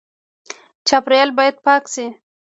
چاپیریال باید پاک شي